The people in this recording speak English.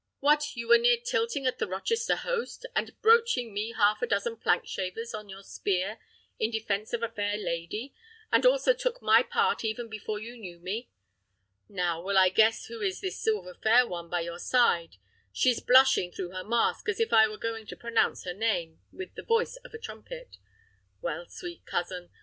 What! you were near tilting at the Rochester host, and broaching me half a dozen plank shavers on your spear in defence of a fair lady, and also took my part even before you knew me? Now, will I guess who is this silver fair one by your side? she's blushing through her mask as if I were going to pronounce her name with the voice of a trumpet. Well, sweet cousin!